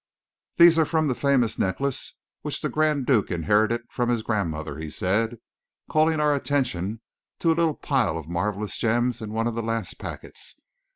"These are from the famous necklace which the Grand Duke inherited from his grandmother," he said, calling our attention to a little pile of marvellous gems in one of the last packets.